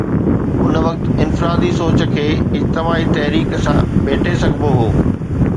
ان وقت انفرادي سوچ کي اجتماعي تحريڪ سان ڀيٽي سگهبو هو.